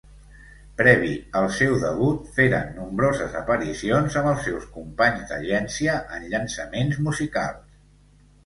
Previ al seu debut, feren nombroses aparicions amb els seus companys d'agència en llançaments musicals.